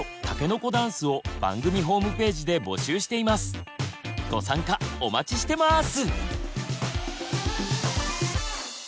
番組ではご参加お待ちしてます！